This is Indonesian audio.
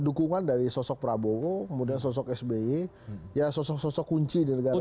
dukungan dari sosok prabowo kemudian sosok sby ya sosok sosok kunci di negara ini